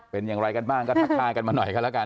เป็นอย่างไรกันบ้างก็ทักทายกันมาหน่อยกันแล้วกัน